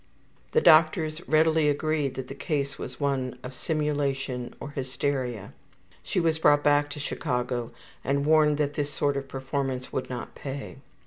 The doctors readily agreed that the case was one of simulation or hysteria. She was brought back to Chicago and warned that this sort of performance would not pay.